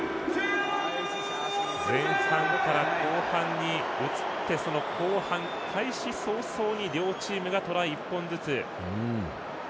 前半から後半に移ってその後半、開始早々に両チームがトライ、１本ずつ。